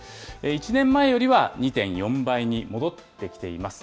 １年前よりは２．４倍に戻ってきています。